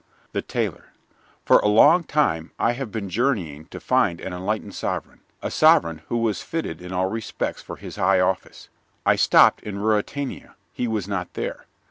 THE TAILOR For a long time I have been journeying to find an enlightened sovereign, a sovereign who was fitted in all respects for his high office. I stopped in Ruritania; he was not there.